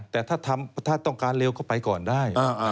แต่ถ้าต้องการเร็วก็ไปก่อนได้